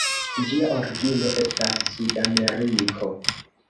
Ĝia origino estas Sudameriko.